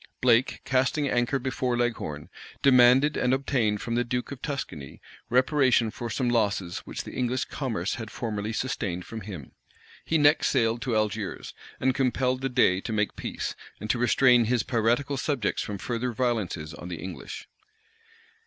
Blake, casting anchor before Leghorn, demanded and obtained from the duke of Tuscany reparation for some losses which the English commerce had formerly sustained from him. He next sailed to Algiers, and compelled the dey to make peace, and to restrain his piratical subjects from further violences on the English.